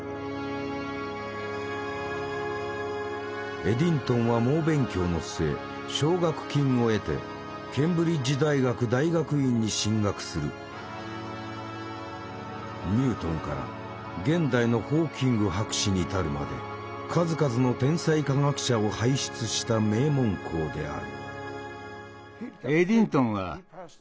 エディントンは猛勉強の末奨学金を得てニュートンから現代のホーキング博士に至るまで数々の天才科学者を輩出した名門校である。